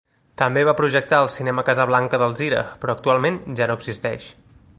També va projectar el Cinema Casablanca d'Alzira, però actualment ja no existeix.